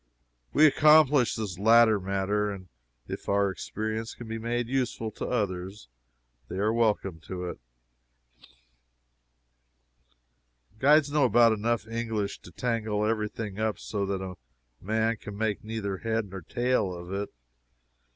We accomplished this latter matter, and if our experience can be made useful to others they are welcome to it. Guides know about enough English to tangle every thing up so that a man can make neither head or tail of it.